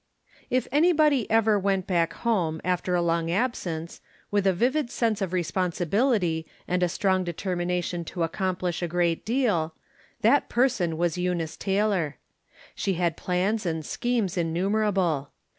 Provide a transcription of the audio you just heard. If anybody ever went back home after a long absence, with a vivid sense of responsibiUty, and a strong determination to accomplish a great deal, that person was Eunice Taylor. She had plans and schemes innumerable.